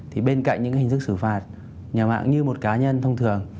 thì bên cạnh những hình thức xử phạt nhà mạng như một cá nhân thông thường